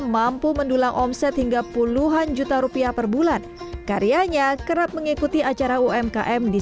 mampu mendulang omset hingga puluhan juta rupiah per bulan karyanya kerap mengikuti acara umkm di